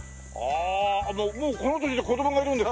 あもうこの年で子供がいるんですか？